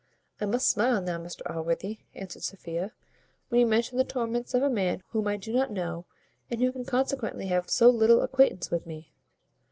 "I must smile now, Mr Allworthy," answered Sophia, "when you mention the torments of a man whom I do not know, and who can consequently have so little acquaintance with me."